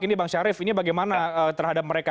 ini bang syarif ini bagaimana terhadap mereka